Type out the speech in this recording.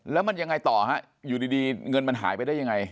แล้วมันยังไงต่อฮะอยู่ดีเงินมันหายไปได้ยังไง